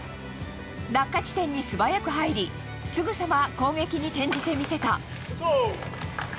落下地点に素早く入りすぐさま攻撃に転じてみせた。